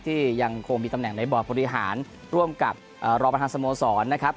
ที่ยังคงมีตำแหน่งในบอร์ดบริหารร่วมกับรอประธานสโมสรนะครับ